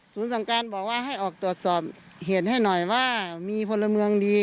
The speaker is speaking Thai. สั่งการบอกว่าให้ออกตรวจสอบเหตุให้หน่อยว่ามีพลเมืองดี